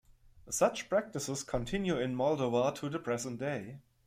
Such practices continue in Moldova to the present day.